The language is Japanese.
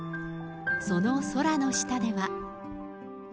その空の下では。